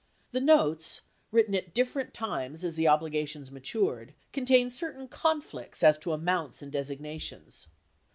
43 The notes, written at different times as the obligations matured, contain certain conflicts as to amounts and designations.